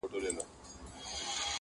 د ځان په ؤللو راځي